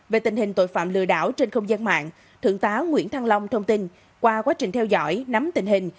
về tình hình tội phạm lừa đảo trên không gian mạng thượng tá nguyễn thăng long thông tin qua quá trình theo dõi nắm tình hình